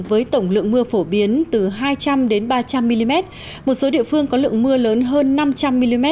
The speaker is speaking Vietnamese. với tổng lượng mưa phổ biến từ hai trăm linh ba trăm linh mm một số địa phương có lượng mưa lớn hơn năm trăm linh mm